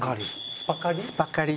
スパカリ？